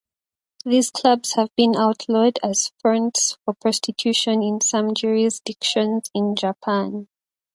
These clubs have been outlawed as fronts for prostitution in some jurisdictions in Japan.